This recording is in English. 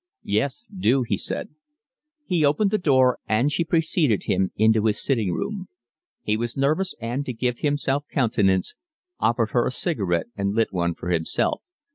"Yes, do," he said. He opened the door, and she preceded him into his sitting room. He was nervous and, to give himself countenance, offered her a cigarette and lit one for himself.